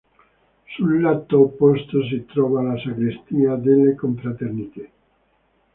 Sul lato opposto si trova la sacrestia delle Confraternite.